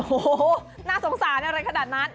โอ้โหน่าสงสารอะไรขนาดนั้น